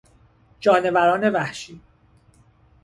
جانوران وحشی